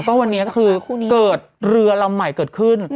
ก็วันนี้ก็คือเกิดเรือลำใหม่เกิดขึ้น